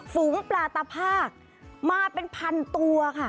ฝูงปลาตภาคมาเป็นพันตัวค่ะ